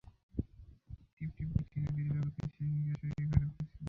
টিপ টিপ বৃষ্টিতে দীর্ঘ অপেক্ষা শেষে নিরাশ হয়েই ঘরে ফিরেছেন দর্শকেরা।